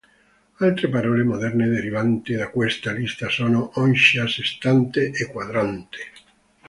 Altre parole moderne derivanti da questa lista sono oncia, sestante e quadrante.